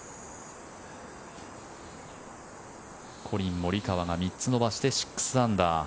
コリン・モリカワが３つ伸ばして６アンダー。